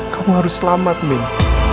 kamu harus selamat min